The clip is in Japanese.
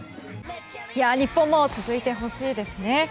日本も続いてほしいですね。